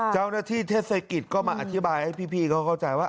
เจ้าหน้าที่เทศกิจก็มาอธิบายให้พี่เขาก็เข้าใจว่า